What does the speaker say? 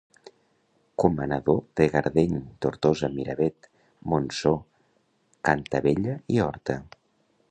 Comanador de Gardeny, Tortosa, Miravet, Montsó, Cantavella i Horta.